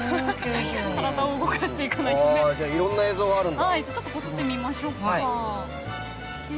いろんな映像があるんだ。